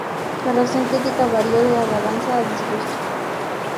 La reacción crítica varió de alabanza a disgusto.